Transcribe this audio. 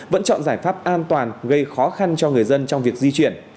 vẫn chọn giải pháp an toàn gây khó khăn cho người dân trong việc di chuyển